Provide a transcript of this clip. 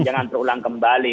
jangan terulang kembali